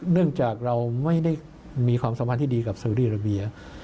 เนื่องจากเราไม่ได้มีความสัมพันธ์ที่ดีกับซีรีราเบีย